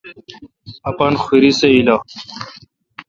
اپان خوِری سہ ایلہ۔